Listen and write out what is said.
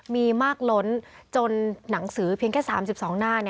มีมากล้นจนหนังสือเพียงแค่๓๒หน้า